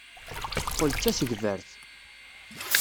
Teqqel d tasegbart.